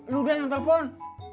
lu yang telepon